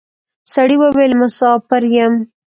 سړي وويل: مساپر یم.